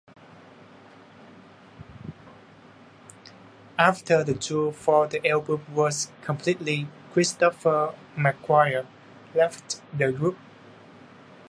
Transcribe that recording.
After the tour for the album was completed, Christopher McGuire left the group.